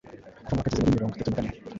Kuva mu wa kugezmuri mirongo itatu na kane